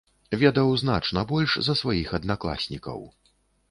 Ведаў значна больш за сваіх аднакласнікаў.